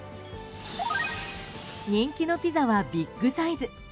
人気のピザはビッグサイズ。